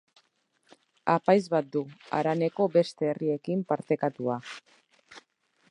Apaiz bat du, haraneko beste herriekin partekatua.